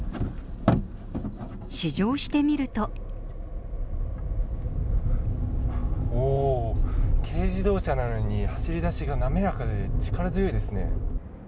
試乗してみると軽自動車なのに走り出しが滑らかで力強いですね。